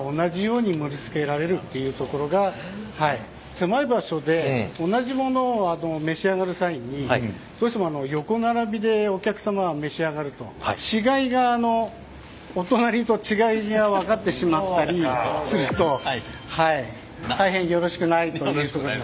狭い場所で同じものを召し上がる際にどうしても横並びでお客様は召し上がると違いがお隣と違いが分かってしまったりすると大変よろしくないということで。